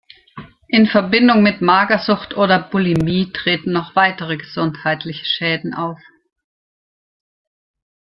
In Verbindung mit Magersucht oder Bulimie treten noch weitere gesundheitliche Schäden auf.